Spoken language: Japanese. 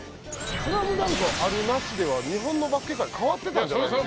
『スラムダンク』あるなしでは日本のバスケ界変わってたんじゃないですか？